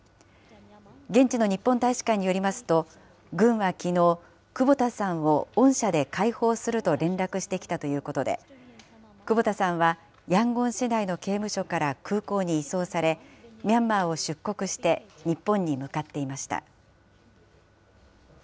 現地の日本大使館によりますと、軍はきのう、久保田さんを恩赦で解放すると連絡してきたということで、久保田さんはヤンゴン市内の刑務所から空港に移送され、ミャンマーを出国して、日本に向かっていました。